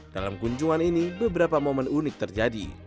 dalam kunjungan ini beberapa momen unik terjadi